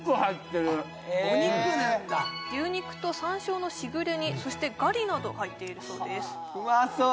お肉なんだ牛肉と山椒のしぐれ煮そしてガリなど入っているそうです・うまそう！